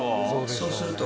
そうすると。